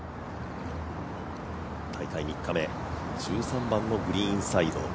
大会３日目、１３番のグリーンサイド。